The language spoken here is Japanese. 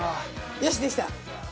よしできた！